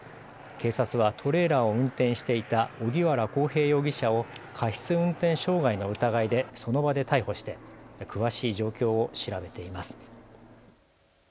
警察はトレーラーを運転していた荻原航平容疑者を過失運転傷害の疑いでその場で逮捕して詳しい状況を調べています。